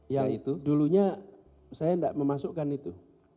yang dulunya saya enggak memasukkan itu